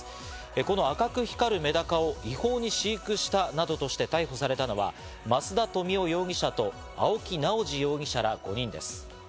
この赤く光るメダカを違法に飼育したなどとして逮捕されたのは、増田富男容疑者と青木直樹容疑者ら５人です。